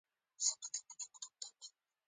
ویل به یې له غلو خلاص شو ایله ارام شو.